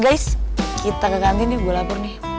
guys kita ke kantin ya gue lapor nih